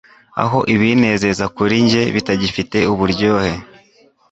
Aho ibinezeza kuri njye bitagifite uburyohe